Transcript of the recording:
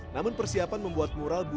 namun persiapan membuat mural bubur